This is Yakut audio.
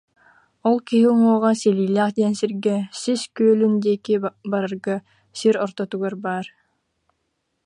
Ол киһи уҥуоҕа Силиилээх диэн сиргэ Сис Күөлүн диэки барарга сир ортотугар баар